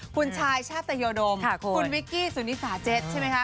คุณชายชาตยโดมคุณวิกกี้สุนิสาเจ็ดใช่ไหมคะ